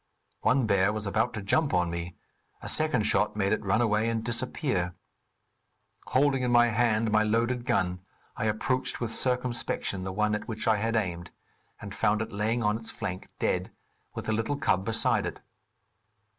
One bear was about to jump on me, a second shot made it run away and disappear. Holding in my hand my loaded gun, I approached with circumspection, the one at which I had aimed, and found it laying on its flank, dead, with the little cub beside it.